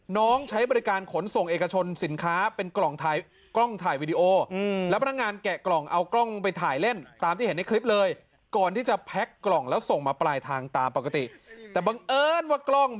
น้องใช้บริการขนส่งเอกชนสินค้าเป็นกล่อง